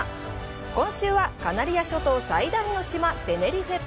今週は、カナリア諸島最大の島、テネリフェ島。